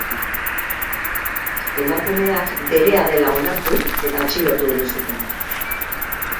Emakumeak berea dela onartu eta atxilotu egin zuten.